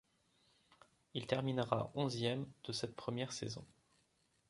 Il terminera onzieme de cette première saison.